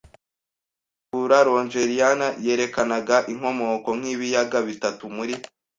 Tabula Rogeriana yerekanaga inkomoko nk'ibiyaga bitatu muri